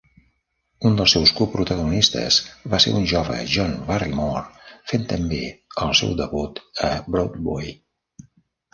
Un dels seus coprotagonistes va ser un jove John Barrymore, fent també el seu debut a Broadway.